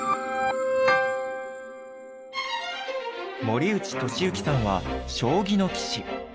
森内俊之さんは将棋の棋士。